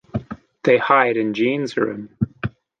They hide in Jean's room.